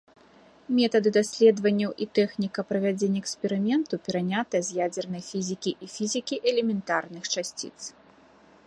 Метады даследаванняў і тэхніка правядзення эксперыменту перанятыя з ядзернай фізікі і фізікі элементарных часціц.